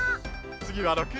つぎは９！